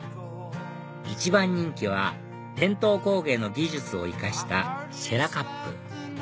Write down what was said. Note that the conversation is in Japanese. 一番人気は伝統工芸の技術を生かしたシェラカップ